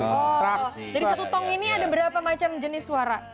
jadi satu tong ini ada berapa macam jenis suara